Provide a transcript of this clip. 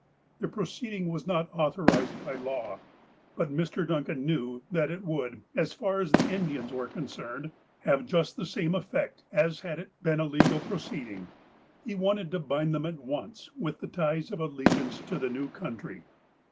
The proceeding was not authorized by law, but Mr. Duncan knew that it would, as far as the Indians were concerned, have just the same effect as had it been a legal proceeding. He wanted to bind them at once with the ties of allegiance to the new country.